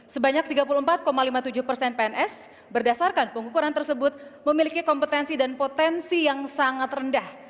sebanyak tiga puluh empat lima puluh tujuh persen pns berdasarkan pengukuran tersebut memiliki kompetensi dan potensi yang sangat rendah